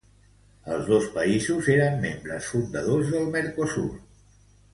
Els dos països eren membres fundadors del Mercosur.